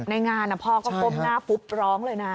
ในงานพ่อก็ก้มหน้าปุ๊บร้องเลยนะ